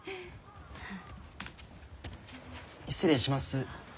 失礼します。